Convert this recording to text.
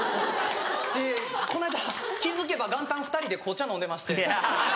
でこの間気付けば元旦２人で紅茶飲んでまして。